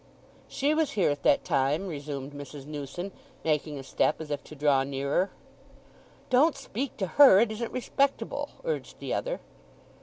"She was here at that time," resumed Mrs. Newson, making a step as if to draw nearer. "Don't speak to her—it isn't respectable!" urged the other.